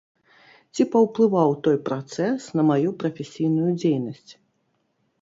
Ці паўплываў той працэс на маю прафесійную дзейнасць?